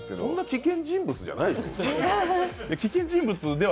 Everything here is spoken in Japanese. そんな危険人物じゃないでしょ。